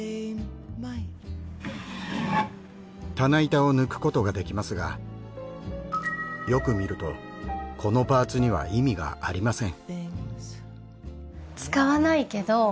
棚板を抜くことができますがよく見るとこのパーツには意味がありません。